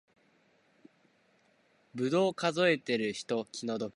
ぶどう数えてる人気の毒